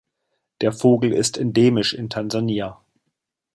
Der Vogel ist endemisch in Tansania.